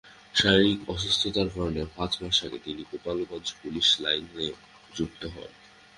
শারীরিক অসুস্থতার কারণে পাঁচ মাস আগে তিনি গোপালগঞ্জ পুলিশ লাইনসে যুক্ত হন।